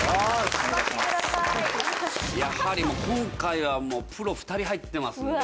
やはり今回はプロ２人入ってますんで。